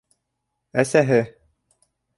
Әсәһе!